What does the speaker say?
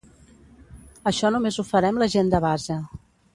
Això només ho farem la gent de base.